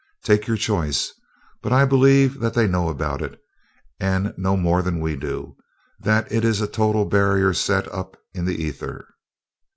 Take your choice, but I believe that they know about it, and know more than we do that it is a total barrier set up in the ether."